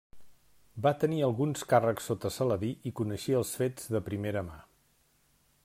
Va tenir alguns càrrecs sota Saladí i coneixia els fets de primera mà.